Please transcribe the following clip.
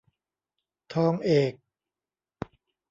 ทองเอก